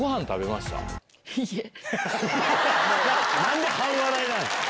何で半笑いなんすか？